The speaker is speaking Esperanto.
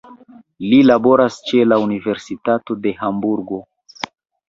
Li laboras ĉe la Universitato de Hamburgo.